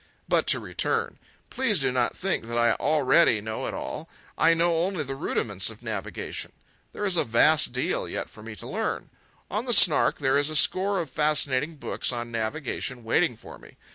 But to return. Please do not think that I already know it all. I know only the rudiments of navigation. There is a vast deal yet for me to learn. On the Snark there is a score of fascinating books on navigation waiting for me.